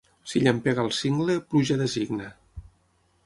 Si llampega al cingle, pluja designa.